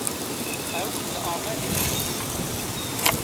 Ew li Amedê dijî.